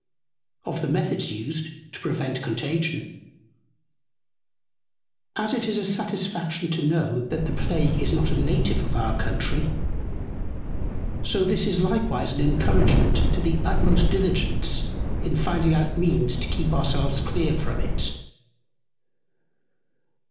OF THE METHODS TO PREVENT CONTAGION. As it is a satisfaction to know, that the Plague is not a Native of our Country, so this is likewise an Encouragement to the utmost Diligence in finding out Means to keep our selves clear from It.